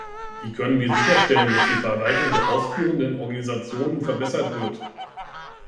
Wie können wir sicherstellen, dass die Verwaltung der ausführenden Organisationen verbessert wird?